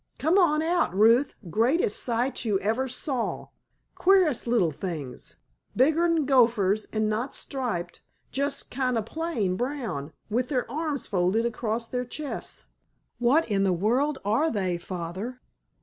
Come on out, Ruth, greatest sight you ever saw! Queerest little things, bigger'n gophers and not striped, just kind o' plain brown, with their arms folded across their chests. What in the world are they, Father?"